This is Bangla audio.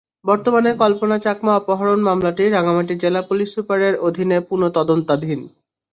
বর্তমানে কল্পনা চাকমা অপহরণ মামলাটি রাঙামাটি জেলা পুলিশ সুপারের অধীনে পুনঃ তদন্তাধীন।